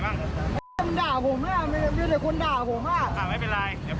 ว่าเราว่าไงบ้าง